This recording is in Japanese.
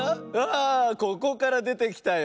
あここからでてきたよ。